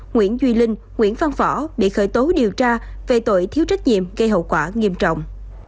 nguyễn duy linh nguyễn phan phở bị khởi tố điều tra về tội thiếu trách nhiệm gây hậu quả nghiêm trọng